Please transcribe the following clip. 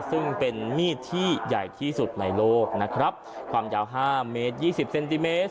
ซึ่งเป็นมีดที่ใหญ่ที่สุดในโลกนะครับความยาวห้าเมตรยี่สิบเซนติเมตร